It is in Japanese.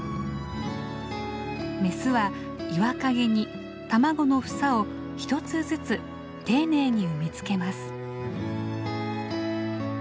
メスは岩陰に卵の房を１つずつ丁寧に産み付けます。